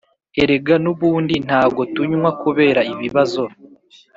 Erega nubundi ntago tunywa kubera ibibazo